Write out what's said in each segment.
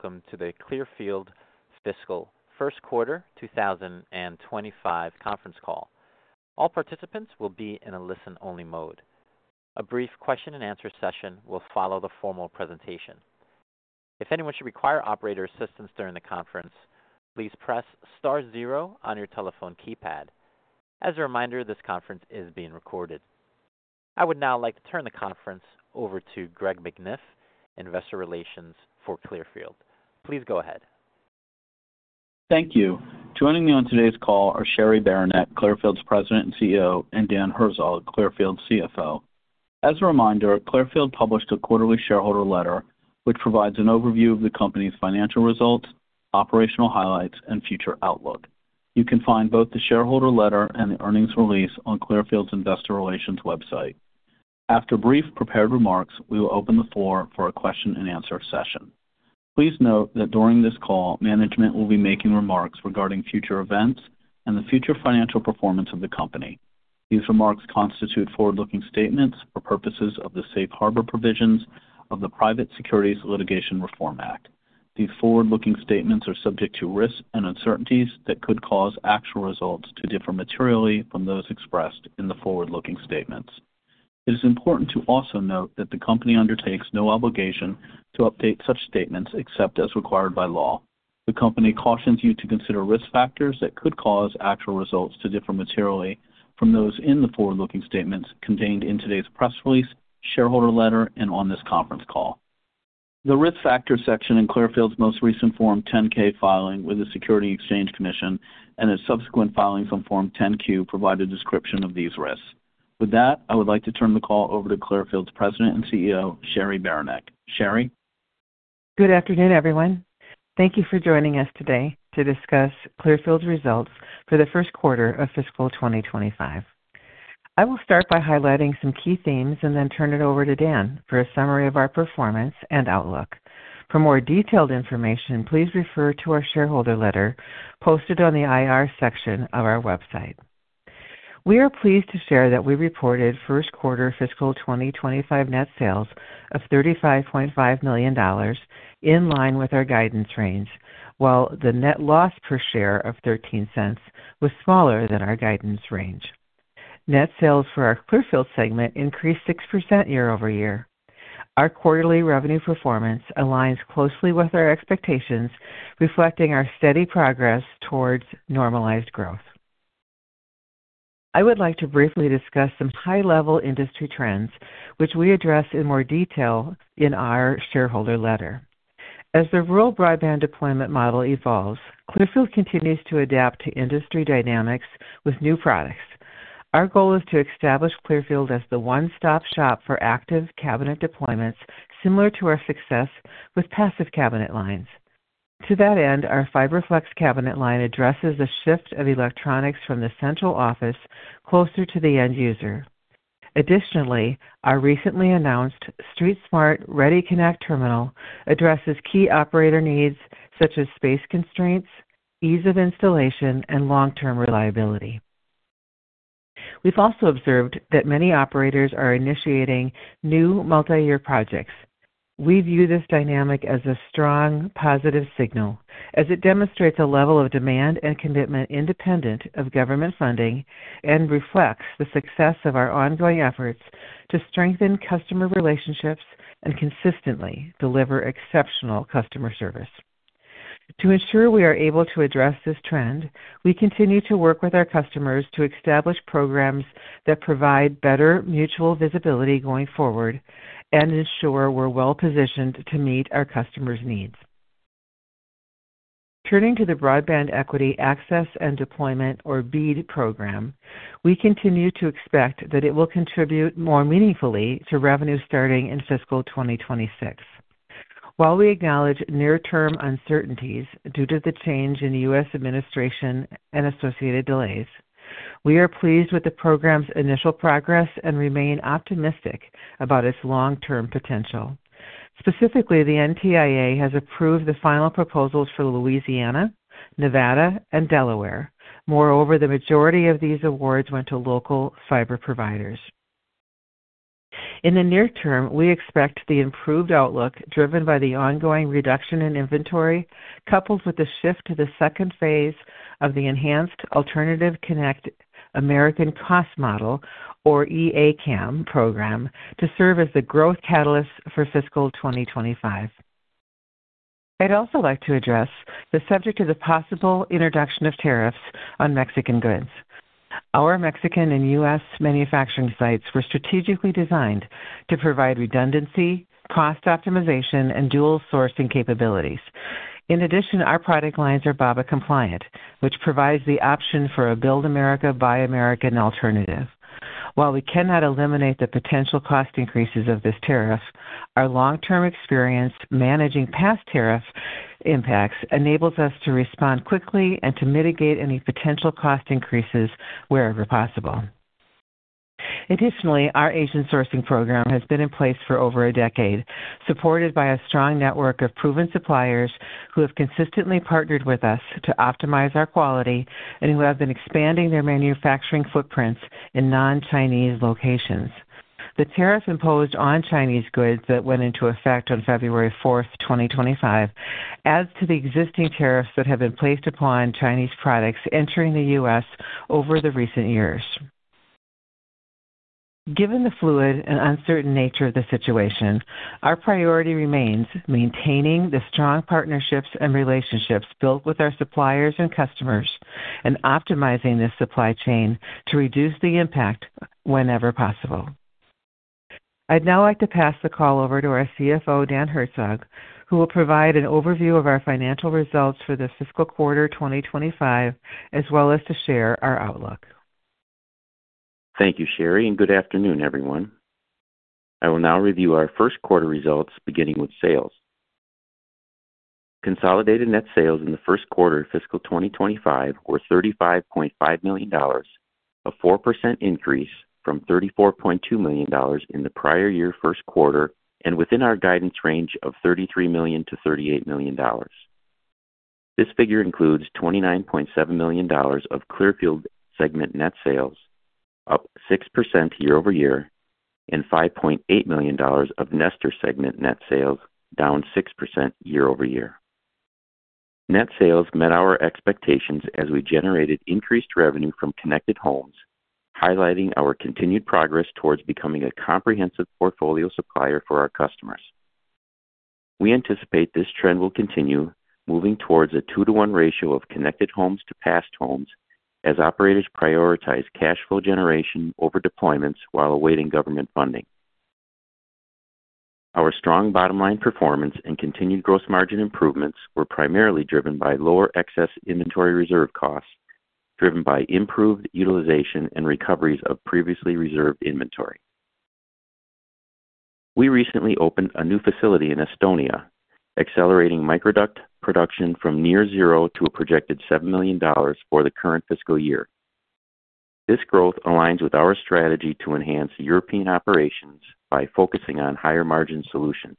Welcome to the Clearfield fiscal first quarter 2025 conference call. All participants will be in a listen-only mode. A brief question-and-answer session will follow the formal presentation. If anyone should require operator assistance during the conference, please press star zero on your telephone keypad. As a reminder, this conference is being recorded. I would now like to turn the conference over to Greg McNiff, Investor Relations for Clearfield. Please go ahead. Thank you. Joining me on today's call are Cheri Beranek, Clearfield's President and CEO, and Dan Herzog, Clearfield CFO. As a reminder, Clearfield published a quarterly shareholder letter which provides an overview of the company's financial results, operational highlights, and future outlook. You can find both the shareholder letter and the earnings release on Clearfield's Investor Relations website. After brief prepared remarks, we will open the floor for a question-and-answer session. Please note that during this call, management will be making remarks regarding future events and the future financial performance of the company. These remarks constitute forward-looking statements for purposes of the safe harbor provisions of the Private Securities Litigation Reform Act. These forward-looking statements are subject to risks and uncertainties that could cause actual results to differ materially from those expressed in the forward-looking statements. It is important to also note that the company undertakes no obligation to update such statements except as required by law. The company cautions you to consider risk factors that could cause actual results to differ materially from those in the forward-looking statements contained in today's press release, shareholder letter, and on this conference call. The risk factor section in Clearfield's most recent Form 10-K filing with the Securities and Exchange Commission and its subsequent filings on Form 10-Q provide a description of these risks. With that, I would like to turn the call over to Clearfield's President and CEO, Cheri Beranek. Cheri. Good afternoon, everyone. Thank you for joining us today to discuss Clearfield's results for the first quarter of fiscal 2025. I will start by highlighting some key themes and then turn it over to Dan for a summary of our performance and outlook. For more detailed information, please refer to our shareholder letter posted on the IR section of our website. We are pleased to share that we reported first quarter fiscal 2025 net sales of $35.5 million in line with our guidance range, while the net loss per share of $0.13 was smaller than our guidance range. Net sales for our Clearfield segment increased 6% year-over-year. Our quarterly revenue performance aligns closely with our expectations, reflecting our steady progress towards normalized growth. I would like to briefly discuss some high-level industry trends, which we address in more detail in our shareholder letter. As the rural broadband deployment model evolves, Clearfield continues to adapt to industry dynamics with new products. Our goal is to establish Clearfield as the one-stop shop for active cabinet deployments, similar to our success with passive cabinet lines. To that end, our FiberFlex cabinet line addresses a shift of electronics from the central office closer to the end user. Additionally, our recently announced StreetSmart Ready Connect terminal addresses key operator needs such as space constraints, ease of installation, and long-term reliability. We've also observed that many operators are initiating new multi-year projects. We view this dynamic as a strong positive signal, as it demonstrates a level of demand and commitment independent of government funding and reflects the success of our ongoing efforts to strengthen customer relationships and consistently deliver exceptional customer service. To ensure we are able to address this trend, we continue to work with our customers to establish programs that provide better mutual visibility going forward and ensure we're well-positioned to meet our customers' needs. Turning to the Broadband Equity, Access, and Deployment, or BEAD, program, we continue to expect that it will contribute more meaningfully to revenue starting in fiscal 2026. While we acknowledge near-term uncertainties due to the change in the U.S. administration and associated delays, we are pleased with the program's initial progress and remain optimistic about its long-term potential. Specifically, the NTIA has approved the final proposals for Louisiana, Nevada, and Delaware. Moreover, the majority of these awards went to local fiber providers. In the near term, we expect the improved outlook driven by the ongoing reduction in inventory, coupled with the shift to the second phase of the Enhanced Alternative Connect America Cost Model, or E-ACAM, program to serve as the growth catalyst for fiscal 2025. I'd also like to address the subject of the possible introduction of tariffs on Mexican goods. Our Mexican and U.S. manufacturing sites were strategically designed to provide redundancy, cost optimization, and dual sourcing capabilities. In addition, our product lines are BABA compliant. which provides the option for a Build America, Buy America alternative. While we cannot eliminate the potential cost increases of this tariff, our long-term experience managing past tariff impacts enables us to respond quickly and to mitigate any potential cost increases wherever possible. Additionally, our Asian sourcing program has been in place for over a decade, supported by a strong network of proven suppliers who have consistently partnered with us to optimize our quality and who have been expanding their manufacturing footprints in non-Chinese locations. The tariff imposed on Chinese goods that went into effect on February 4th, 2025, adds to the existing tariffs that have been placed upon Chinese products entering the U.S. over the recent years. Given the fluid and uncertain nature of the situation, our priority remains maintaining the strong partnerships and relationships built with our suppliers and customers and optimizing this supply chain to reduce the impact whenever possible. I'd now like to pass the call over to our CFO, Dan Herzog, who will provide an overview of our financial results for the fiscal quarter 2025, as well as to share our outlook. Thank you, Cheri, and good afternoon, everyone. I will now review our first quarter results, beginning with sales. Consolidated net sales in the first quarter of fiscal 2025 were $35.5 million, a 4% increase from $34.2 million in the prior year first quarter and within our guidance range of $33 million-$38 million. This figure includes $29.7 million of Clearfield segment net sales, up 6% year-over-year, and $5.8 million of Nestor segment net sales, down 6% year-over-year. Net sales met our expectations as we generated increased revenue from connected homes, highlighting our continued progress towards becoming a comprehensive portfolio supplier for our customers. We anticipate this trend will continue, moving towards a two-to-one ratio of connected homes to passed homes as operators prioritize cash flow generation over deployments while awaiting government funding. Our strong bottom-line performance and continued gross margin improvements were primarily driven by lower excess inventory reserve costs driven by improved utilization and recoveries of previously reserved inventory. We recently opened a new facility in Estonia, accelerating microduct production from near zero to a projected $7 million for the current fiscal year. This growth aligns with our strategy to enhance European operations by focusing on higher margin solutions.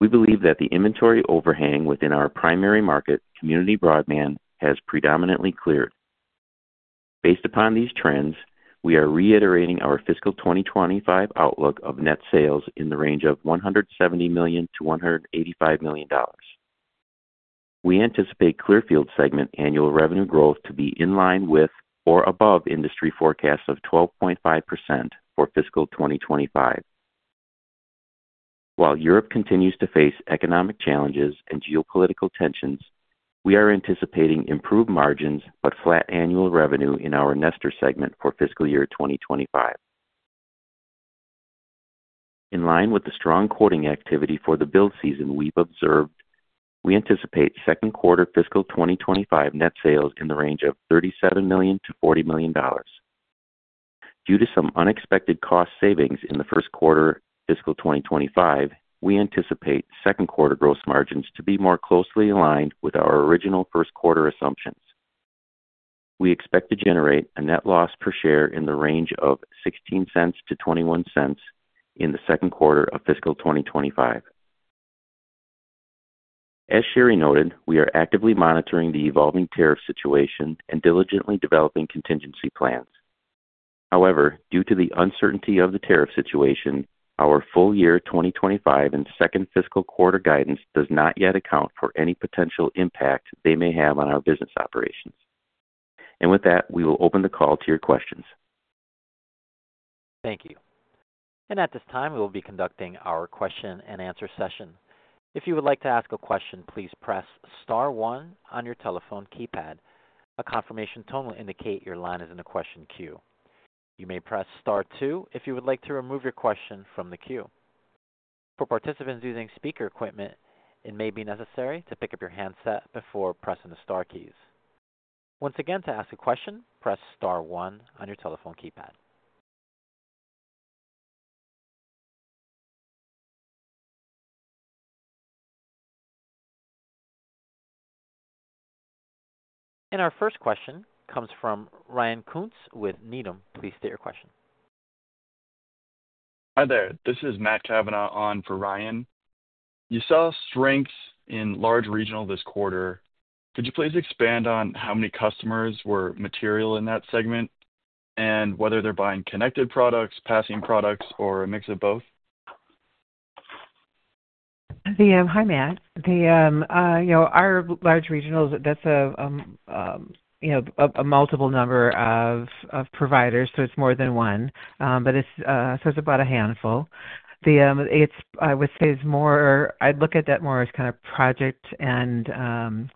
We believe that the inventory overhang within our primary market, community broadband, has predominantly cleared. Based upon these trends, we are reiterating our fiscal 2025 outlook of net sales in the range of $170 million-$185 million. We anticipate Clearfield segment annual revenue growth to be in line with or above industry forecasts of 12.5% for fiscal 2025. While Europe continues to face economic challenges and geopolitical tensions, we are anticipating improved margins but flat annual revenue in our Nestor segment for fiscal year 2025. In line with the strong quoting activity for the build season we've observed, we anticipate second quarter fiscal 2025 net sales in the range of $37 million-$40 million. Due to some unexpected cost savings in the first quarter fiscal 2025, we anticipate second quarter gross margins to be more closely aligned with our original first quarter assumptions. We expect to generate a net loss per share in the range of $0.16-$0.21 in the second quarter of fiscal 2025. As Cheri noted, we are actively monitoring the evolving tariff situation and diligently developing contingency plans. However, due to the uncertainty of the tariff situation, our full year 2025 and second fiscal quarter guidance does not yet account for any potential impact they may have on our business operations. And with that, we will open the call to your questions. Thank you. And at this time, we will be conducting our question-and-answer session. If you would like to ask a question, please press star one on your telephone keypad. A confirmation tone will indicate your line is in a question queue. You may press star two if you would like to remove your question from the queue. For participants using speaker equipment, it may be necessary to pick up your handset before pressing the star keys. Once again, to ask a question, press star one on your telephone keypad. And our first question comes from Ryan Koontz with Needham. Please state your question. Hi there. This is Matt Cavanagh on for Ryan. You saw strengths in large regionals this quarter. Could you please expand on how many customers were material in that segment and whether they're buying connected products, passing products, or a mix of both? Hi Matt. You know, our large regionals, that's a multiple number of providers, so it's more than one. But it's about a handful. It's more. I'd look at that more as kind of project and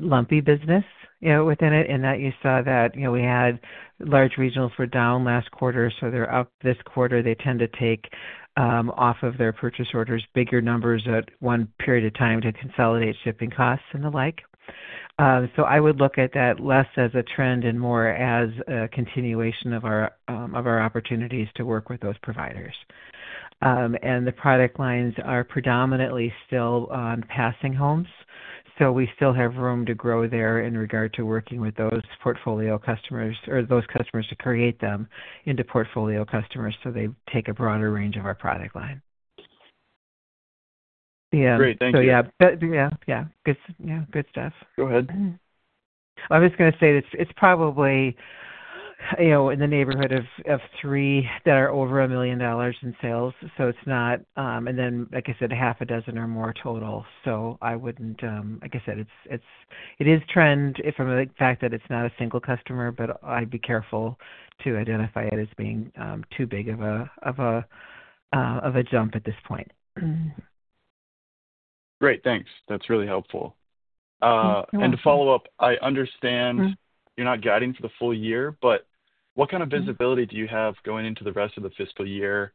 lumpy business, you know, within it. And you saw that we had large regionals were down last quarter, so they're up this quarter. They tend to take off of their purchase orders bigger numbers at one period of time to consolidate shipping costs and the like. So I would look at that less as a trend and more as a continuation of our opportunities to work with those providers. And the product lines are predominantly still on homes passed, so we still have room to grow there in regard to working with those portfolio customers or those customers to create them into portfolio customers so they take a broader range of our product line. Yeah. Great. Thank you. Yeah. Good stuff. Go ahead. I was going to say it's probably, you know, in the neighborhood of three that are over $1 million in sales, so it's not, and then, like I said, half a dozen or more total. So I wouldn't, like I said, it's a trend from the fact that it's not a single customer, but I'd be careful to identify it as being too big of a jump at this point. Great. Thanks. That's really helpful. And to follow up, I understand you're not guiding for the full year, but what kind of visibility do you have going into the rest of the fiscal year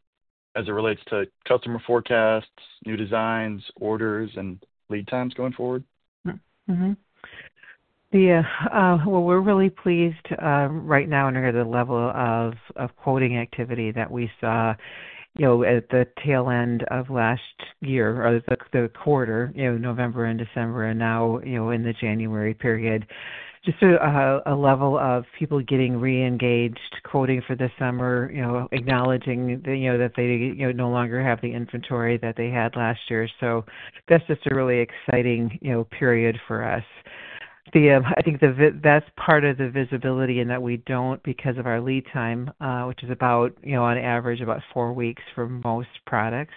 as it relates to customer forecasts, new designs, orders, and lead times going forward? Mm-hmm. Yeah, well, we're really pleased right now with the level of quoting activity that we saw, you know, at the tail end of last year or the quarter, you know, November and December, and now, you know, in the January period, just to a level of people getting re-engaged quoting for the summer, you know, acknowledging that, you know, that they, you know, no longer have the inventory that they had last year. So that's just a really exciting, you know, period for us. I think that's part of the visibility in that we don't, because of our lead time, which is about, you know, on average about four weeks for most products.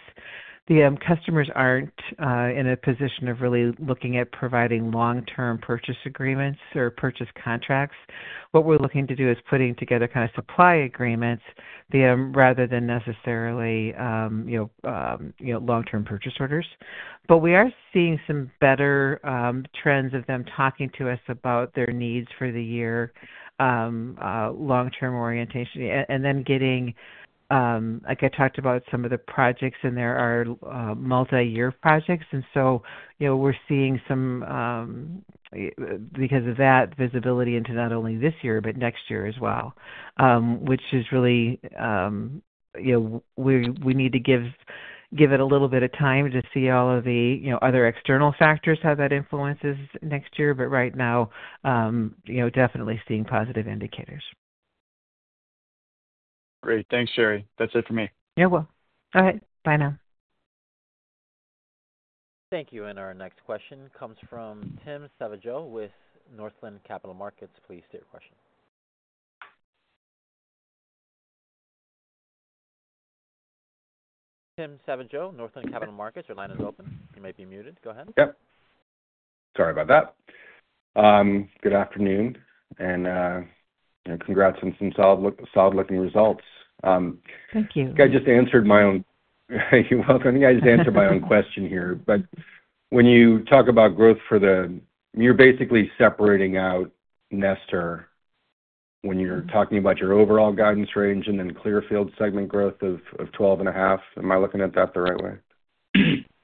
The customers aren't in a position of really looking at providing long-term purchase agreements or purchase contracts. What we're looking to do is putting together kind of supply agreements, rather than necessarily, you know, long-term purchase orders. But we are seeing some better trends of them talking to us about their needs for the year, long-term orientation, and then getting, like I talked about, some of the projects in there are multi-year projects. And so, you know, we're seeing some, because of that visibility into not only this year but next year as well, which is really, you know, we need to give it a little bit of time to see all of the, you know, other external factors how that influences next year. But right now, you know, definitely seeing positive indicators. Great. Thanks, Cheri. That's it for me. You're welcome. All right. Bye now. Thank you. And our next question comes from Tim Savageaux with Northland Capital Markets. Please state your question. Tim Savageaux, Northland Capital Markets. Your line is open. You may be muted. Go ahead. Yep. Sorry about that. Good afternoon, and you know, congrats on some solid, solid-looking results. Thank you. I just answered my own. You're welcome. I just answered my own question here. But when you talk about growth for the, you're basically separating out Nestor when you're talking about your overall guidance range and then Clearfield segment growth of 12.5. Am I looking at that the right way?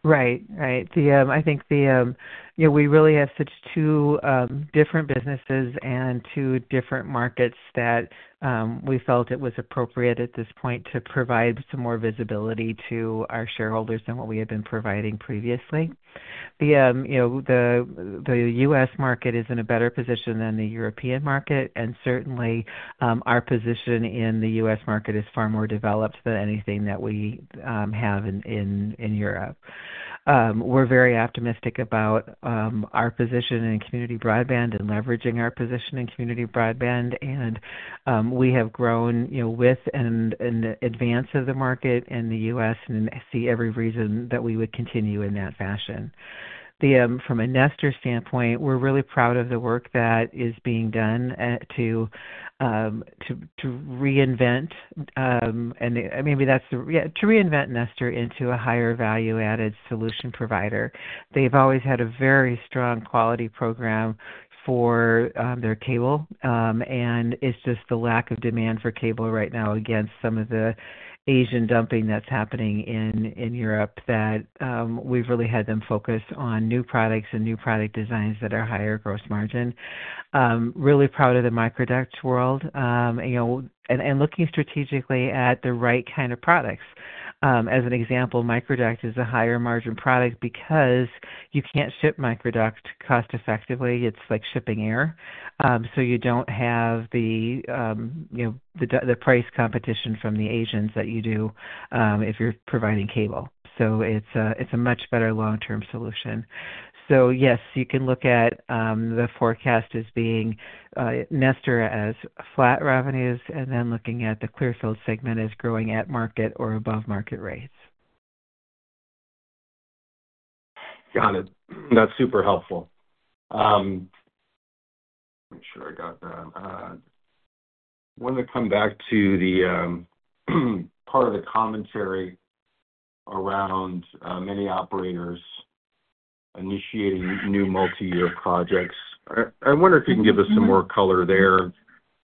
Right. Right. I think the, you know, we really have such two different businesses and two different markets that we felt it was appropriate at this point to provide some more visibility to our shareholders than what we had been providing previously. The U.S. market is in a better position than the European market, and certainly our position in the U.S. market is far more developed than anything that we have in Europe. We're very optimistic about our position in community broadband and leveraging our position in community broadband. And we have grown, you know, with and in the advance of the market in the U.S. and see every reason that we would continue in that fashion. From a Nestor standpoint, we're really proud of the work that is being done to reinvent Nestor into a higher value-added solution provider. They've always had a very strong quality program for their cable, and it's just the lack of demand for cable right now against some of the Asian dumping that's happening in Europe that we've really had them focus on new products and new product designs that are higher gross margin. We're really proud of the microduct world, you know, and looking strategically at the right kind of products. As an example, microduct is a higher margin product because you can't ship microduct cost-effectively. It's like shipping air. So you don't have the, you know, the price competition from the Asians that you do if you're providing cable. So it's a much better long-term solution. So yes, you can look at the forecast as being Nestor as flat revenues and then looking at the Clearfield segment as growing at market or above market rates. Got it. That's super helpful. Make sure I got that. I wanted to come back to the part of the commentary around many operators initiating new multi-year projects. I wonder if you can give us some more color there.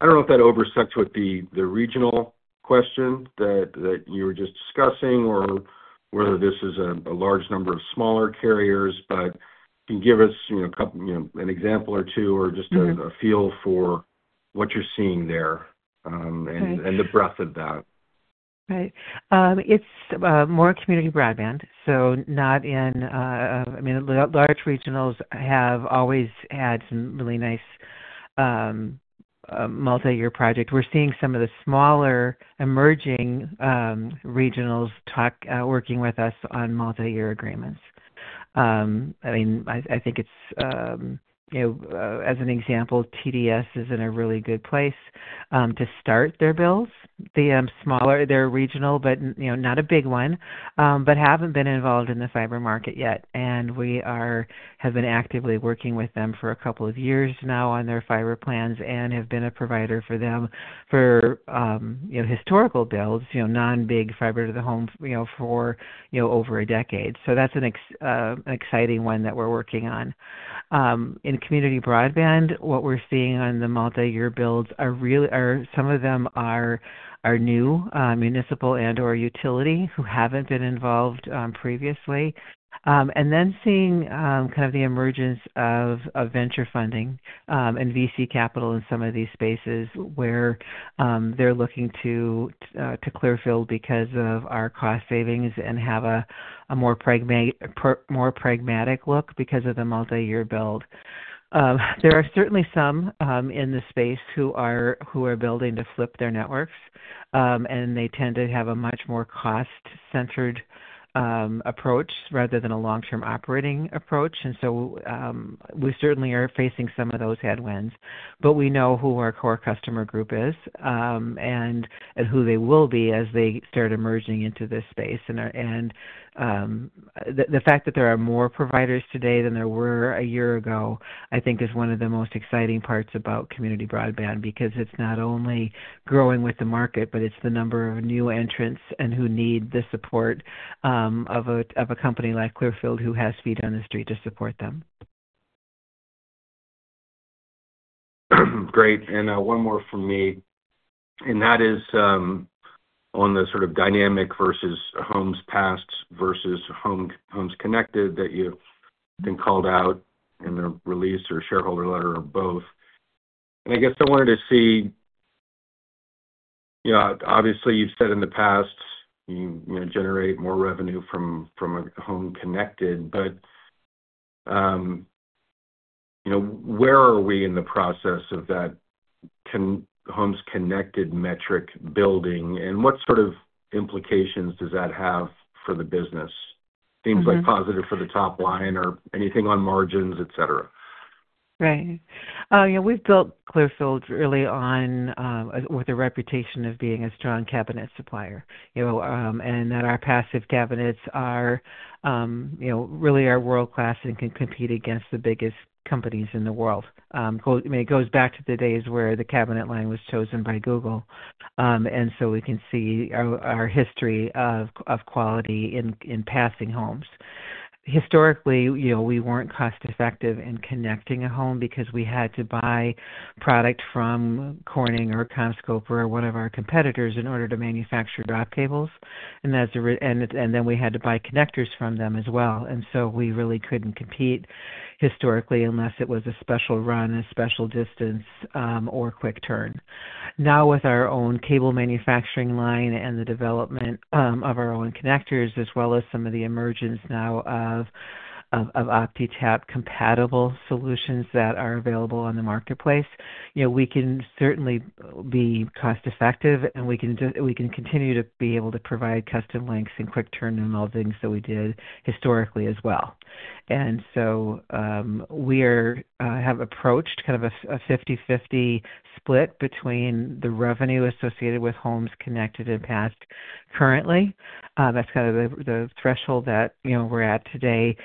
I don't know if that over-stepped with the regional question that you were just discussing or whether this is a large number of smaller carriers, but can you give us, you know, a couple, you know, an example or two or just a feel for what you're seeing there, and the breadth of that? Right. It's more community broadband, so not in, I mean, large regionals have always had some really nice, multi-year projects. We're seeing some of the smaller emerging, regionals talk working with us on multi-year agreements. I mean, I think it's, you know, as an example, TDS is in a really good place to start their builds. The smaller, they're regional, but, you know, not a big one, but haven't been involved in the fiber market yet. And we are, have been actively working with them for a couple of years now on their fiber plans and have been a provider for them for, you know, historical builds, you know, non-big fiber to the home, you know, for, you know, over a decade. So that's an exciting one that we're working on. In community broadband, what we're seeing on the multi-year builds are really some of them are new municipal and/or utility who haven't been involved previously, and then seeing kind of the emergence of venture funding and VC capital in some of these spaces where they're looking to Clearfield because of our cost savings and have a more pragmatic look because of the multi-year build. There are certainly some in the space who are building to flip their networks, and they tend to have a much more cost-centered approach rather than a long-term operating approach. So we certainly are facing some of those headwinds, but we know who our core customer group is, and who they will be as they start emerging into this space. The fact that there are more providers today than there were a year ago, I think, is one of the most exciting parts about community broadband because it's not only growing with the market, but it's the number of new entrants who need the support of a company like Clearfield who has feet on the street to support them. Great. And one more from me. And that is, on the sort of dynamic versus homes passed versus homes connected that you've been called out in a release or shareholder letter or both. And I guess I wanted to see, you know, obviously you've said in the past you know, generate more revenue from homes connected, but you know, where are we in the process of the homes connected metric building and what sort of implications does that have for the business? Things like positive for the top line or anything on margins, etc. Right. You know, we've built Clearfield really on, with a reputation of being a strong cabinet supplier, you know, and that our passive cabinets are, you know, really world class and can compete against the biggest companies in the world. I mean, it goes back to the days where the cabinet line was chosen by Google, and so we can see our history of quality in passing homes. Historically, you know, we weren't cost-effective in connecting a home because we had to buy product from Corning or CommScope or one of our competitors in order to manufacture drop cables. And that's a reason, and then we had to buy connectors from them as well. And so we really couldn't compete historically unless it was a special run, a special distance, or quick turn. Now, with our own cable manufacturing line and the development of our own connectors, as well as some of the emergence now of OptiTap compatible solutions that are available on the marketplace, you know, we can certainly be cost-effective and we can continue to be able to provide custom lengths and quick turn and all the things that we did historically as well. So, we have approached kind of a 50/50 split between the revenue associated with homes connected and passed currently. That's kind of the threshold that, you know, we're at today.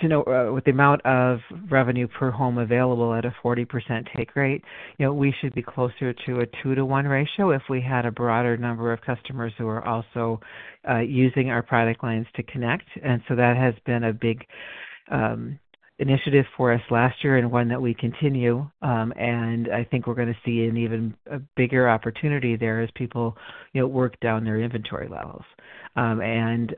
You know, with the amount of revenue per home available at a 40% take rate, you know, we should be closer to a two-to-one ratio if we had a broader number of customers who are also using our product lines to connect. And so that has been a big initiative for us last year and one that we continue, and I think we're going to see an even bigger opportunity there as people, you know, work down their inventory levels, and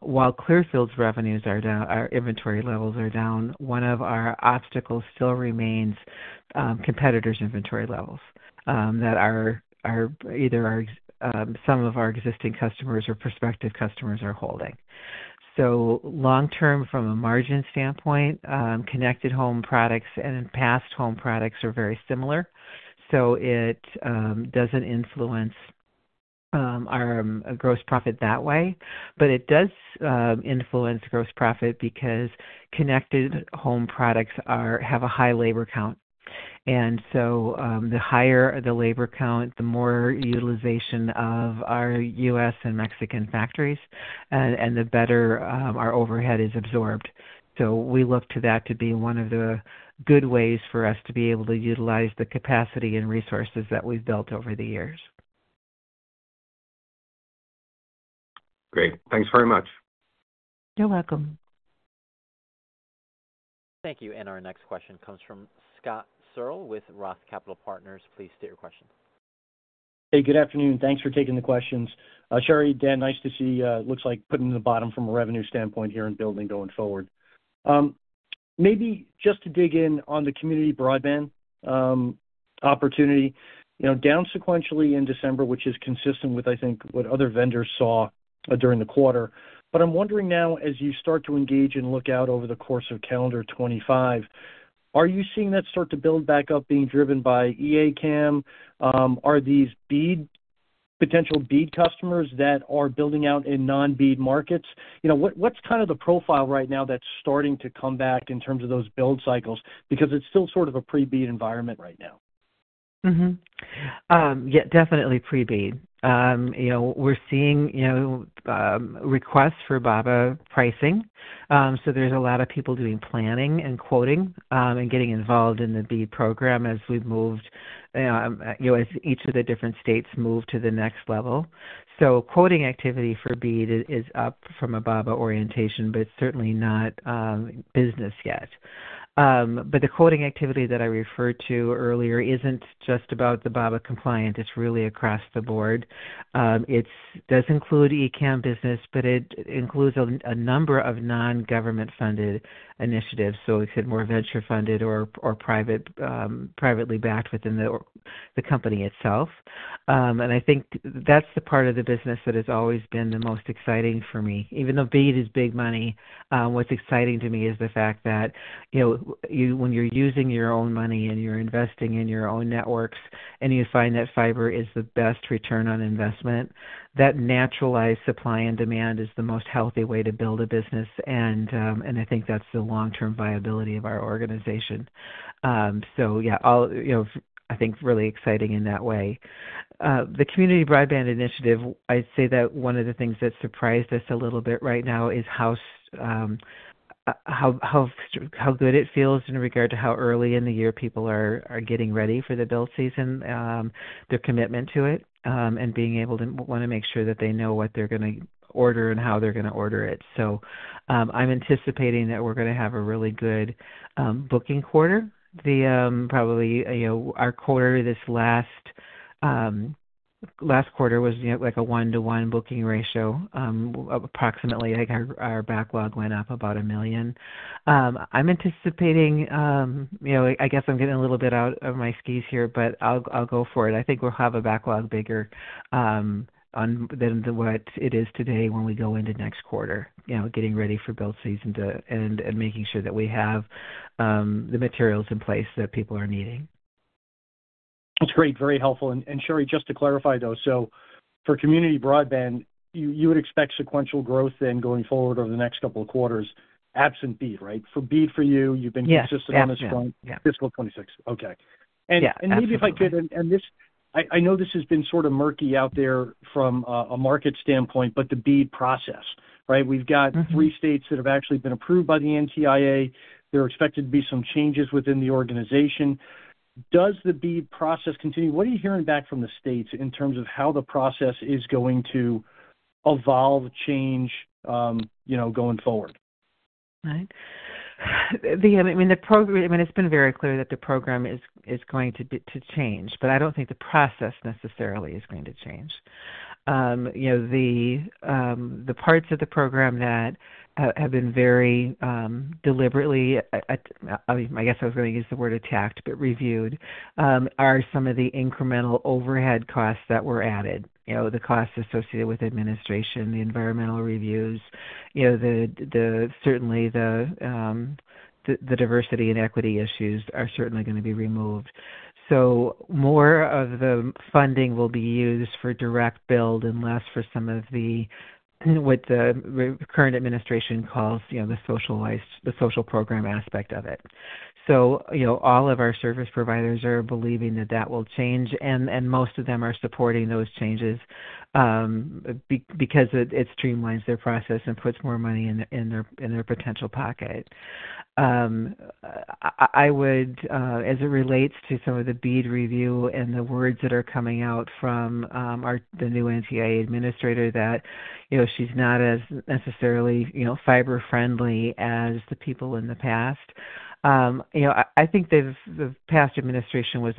while Clearfield's revenues are down, our inventory levels are down, one of our obstacles still remains, competitors' inventory levels that some of our existing customers or prospective customers are holding. So long-term, from a margin standpoint, connected home products and passed home products are very similar. So it doesn't influence our gross profit that way, but it does influence gross profit because connected home products have a high labor count. And so the higher the labor count, the more utilization of our U.S. and Mexican factories, and the better our overhead is absorbed. So we look to that to be one of the good ways for us to be able to utilize the capacity and resources that we've built over the years. Great. Thanks very much. You're welcome. Thank you. And our next question comes from Scott Searle with Roth Capital Partners. Please state your question. Hey, good afternoon. Thanks for taking the questions. Cheri, Dan, nice to see. Looks like putting the bottom from a revenue standpoint here in building going forward. Maybe just to dig in on the community broadband opportunity, you know, down sequentially in December, which is consistent with, I think, what other vendors saw during the quarter, but I'm wondering now, as you start to engage and look out over the course of calendar 2025, are you seeing that start to build back up being driven by E-ACAM? Are these BEAD potential BEAD customers that are building out in non-BEAD markets? You know, what, what's kind of the profile right now that's starting to come back in terms of those build cycles? Because it's still sort of a pre-BEAD environment right now. Mm-hmm. Yeah, definitely pre-BEAD. You know, we're seeing, you know, requests for BABA pricing. So there's a lot of people doing planning and quoting, and getting involved in the BEAD program as we've moved, you know, you know, as each of the different states move to the next level. So quoting activity for BEAD is up from a BABA orientation, but it's certainly not business yet. But the quoting activity that I referred to earlier isn't just about the BABA compliant. It's really across the board. It does include E-ACAM business, but it includes a number of non-government funded initiatives. So we said more venture funded or privately backed within the company itself. And I think that's the part of the business that has always been the most exciting for me. Even though BEAD is big money, what's exciting to me is the fact that, you know, when you're using your own money and you're investing in your own networks and you find that fiber is the best return on investment, that naturalized supply and demand is the most healthy way to build a business. And I think that's the long-term viability of our organization. Yeah, all, you know, I think really exciting in that way. The community broadband initiative, I'd say that one of the things that surprised us a little bit right now is how good it feels in regard to how early in the year people are getting ready for the build season, their commitment to it, and being able to want to make sure that they know what they're going to order and how they're going to order it. I'm anticipating that we're going to have a really good booking quarter. Probably, you know, our last quarter was, you know, like a one-to-one booking ratio, approximately. I think our backlog went up about $1 million. I'm anticipating, you know, I guess I'm getting a little bit out of my skis here, but I'll go for it. I think we'll have a backlog bigger than what it is today when we go into next quarter, you know, getting ready for build season and making sure that we have the materials in place that people are needing. That's great. Very helpful. And Cheri, just to clarify though, so for community broadband, you would expect sequential growth then going forward over the next couple of quarters, absent BEAD, right? For BEAD for you, you've been consistent on this front. Yes. Yeah. Fiscal 2026. Okay. Yeah. Maybe if I could. I know this has been sort of murky out there from a market standpoint, but the BEAD process, right? We've got three states that have actually been approved by the NTIA. There are expected to be some changes within the organization. Does the BEAD process continue? What are you hearing back from the states in terms of how the process is going to evolve, change, you know, going forward? Right. I mean, the program, I mean, it's been very clear that the program is going to change, but I don't think the process necessarily is going to change. You know, the parts of the program that have been very deliberately, I mean, I guess I was going to use the word attacked, but reviewed, are some of the incremental overhead costs that were added, you know, the costs associated with administration, the environmental reviews, you know, certainly the diversity and equity issues are certainly going to be removed. So more of the funding will be used for direct build and less for some of the, what the current administration calls, you know, the socialized social program aspect of it. So, you know, all of our service providers are believing that that will change, and most of them are supporting those changes, because it streamlines their process and puts more money in their potential pocket. I would, as it relates to some of the BEAD review and the words that are coming out from the new NTIA administrator that, you know, she's not necessarily, you know, fiber friendly as the people in the past. You know, I think the past administration was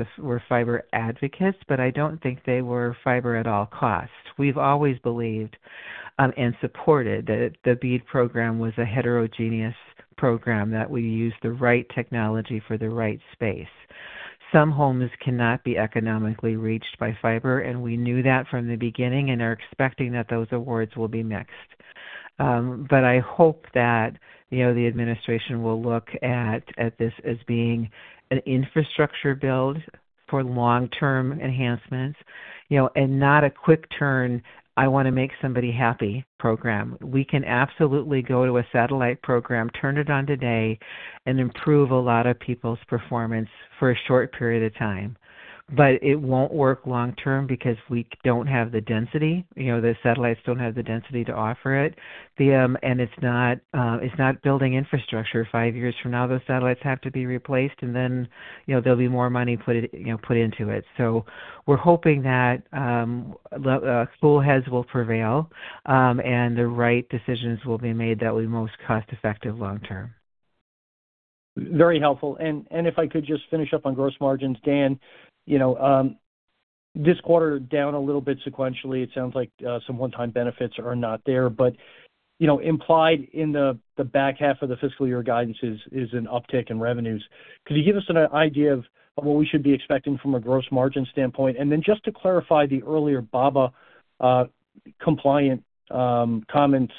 fiber advocates, but I don't think they were fiber at all costs. We've always believed and supported that the BEAD program was a heterogeneous program that we use the right technology for the right space. Some homes cannot be economically reached by fiber, and we knew that from the beginning and are expecting that those awards will be mixed. But I hope that, you know, the administration will look at this as being an infrastructure build for long-term enhancements, you know, and not a quick turn, I want to make somebody happy program. We can absolutely go to a satellite program, turn it on today and improve a lot of people's performance for a short period of time, but it won't work long-term because we don't have the density, you know, the satellites don't have the density to offer it, and it's not building infrastructure. Five years from now, those satellites have to be replaced and then, you know, there'll be more money put into it. So we're hoping that cool heads will prevail, and the right decisions will be made that will be most cost-effective long-term. Very helpful. And if I could just finish up on gross margins, Dan, you know, this quarter down a little bit sequentially, it sounds like, some one-time benefits are not there, but, you know, implied in the back half of the fiscal year guidance is an uptick in revenues. Could you give us an idea of what we should be expecting from a gross margin standpoint? And then just to clarify the earlier BABA compliant comments,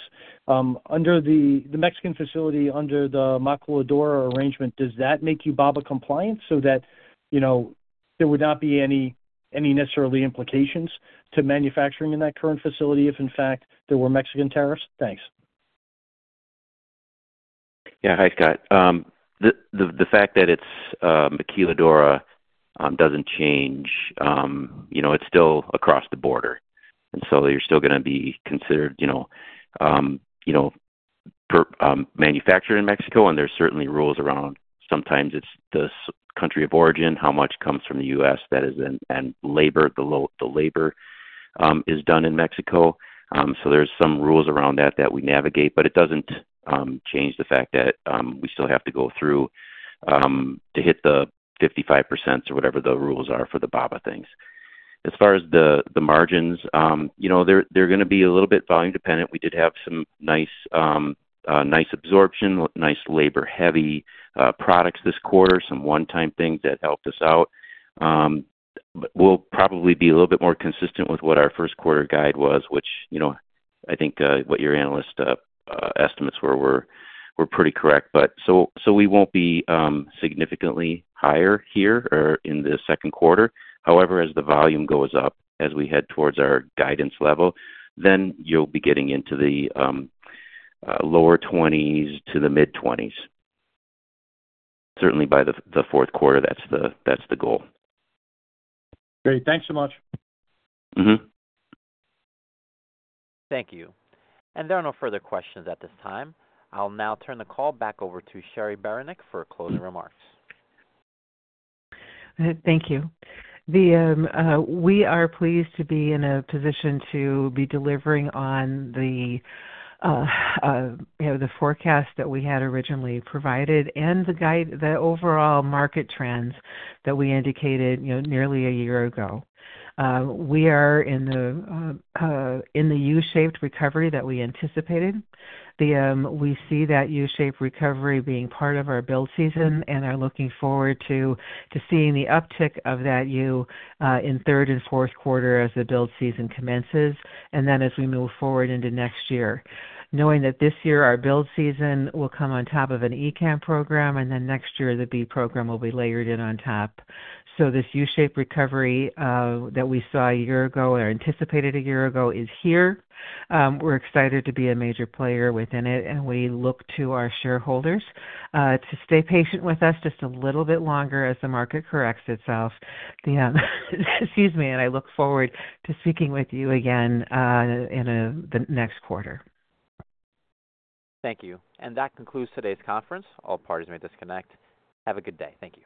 under the Mexican facility, under the Maquiladora arrangement, does that make you BABA compliant so that, you know, there would not be any necessarily implications to manufacturing in that current facility if in fact there were Mexican tariffs? Thanks. Yeah. Hi, Scott. The fact that it's Maquiladora doesn't change, you know, it's still across the border. And so you're still going to be considered, you know, manufactured in Mexico, and there's certainly rules around sometimes it's the country of origin, how much comes from the U.S. that is in, and labor, the labor is done in Mexico, so there's some rules around that that we navigate, but it doesn't change the fact that we still have to go through to hit the 55% or whatever the rules are for the BABA things. As far as the margins, you know, they're going to be a little bit volume dependent. We did have some nice absorption, nice labor-heavy products this quarter, some one-time things that helped us out. We'll probably be a little bit more consistent with what our first quarter guide was, which, you know, I think what your analysts estimates were pretty correct. But so we won't be significantly higher here or in the second quarter. However, as the volume goes up, as we head towards our guidance level, then you'll be getting into the lower 20s to the mid-20s. Certainly by the fourth quarter, that's the goal. Great. Thanks so much. Mm-hmm. Thank you. And there are no further questions at this time. I'll now turn the call back over to Cheri Beranek for closing remarks. Thank you. We are pleased to be in a position to be delivering on the, you know, the forecast that we had originally provided and the guide, the overall market trends that we indicated, you know, nearly a year ago. We are in the U-shaped recovery that we anticipated. We see that U-shaped recovery being part of our build season and are looking forward to seeing the uptick of that U in third and fourth quarter as the build season commences. Then as we move forward into next year, knowing that this year our build season will come on top of an E-ACAM program, and then next year the BEAD program will be layered in on top. So this U-shaped recovery that we saw a year ago or anticipated a year ago is here. We're excited to be a major player within it, and we look to our shareholders to stay patient with us just a little bit longer as the market corrects itself. And I look forward to speaking with you again in the next quarter. Thank you. And that concludes today's conference. All parties may disconnect. Have a good day. Thank you.